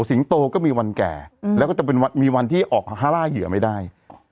สิงโตก็มีวันแก่แล้วก็จะเป็นมีวันที่ออกห้าร่าเหยื่อไม่ได้